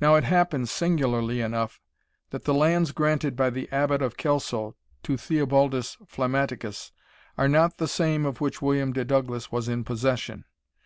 Now, it happens, singularly enough, that the lands granted by the Abbot of Kelso to Theobaldus Flammaticus are not the same of which William de Douglas was in possession.